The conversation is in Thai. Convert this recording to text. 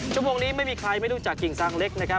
ชั่วโมงนี้ไม่มีใครไม่รู้จักกิ่งซางเล็กนะครับ